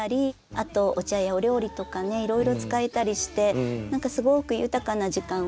あとお茶やお料理とかねいろいろ使えたりして何かすごく豊かな時間をもたらしてくれてる。